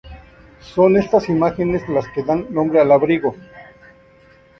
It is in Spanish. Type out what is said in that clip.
Son estas imágenes las que dan nombre al abrigo.